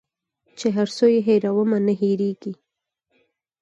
چي هر څو یې هېرومه نه هیریږي